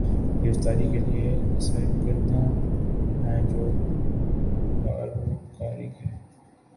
گرفتاری کے لیے سرگرداں ہے جو کاروکاری کے